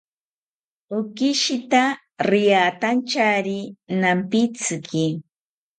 Okishita riantanchari nampitziki